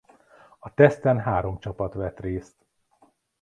A teszten három csapat vett részt.